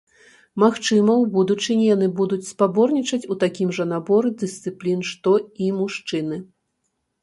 Магчыма, у будучыні яны будуць спаборнічаць у такім жа наборы дысцыплін, што і мужчыны.